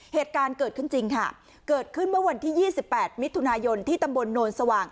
เหตุการณ์เกิดขึ้นจริงค่ะเกิดขึ้นเมื่อวันที่๒๘มิถุนายนที่ตำบลโนนสว่าง